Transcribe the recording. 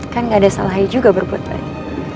kan gak ada salahnya juga berbuat baik